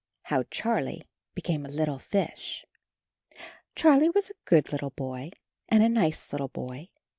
HOW CHARLIE BECAME A LITTLE FISH C HARLIE was a good little boy and a nice little boy.